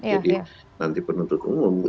jadi nanti penuntut umum